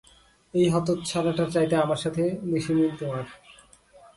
ওই হতচ্ছাড়াটার চাইতে আমার সাথেই বেশি মিল তোমার।